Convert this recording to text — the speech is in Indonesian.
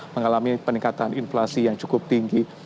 mengalami peningkatan inflasi yang cukup tinggi